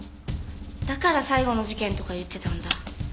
だから最後の事件とか言ってたんだ。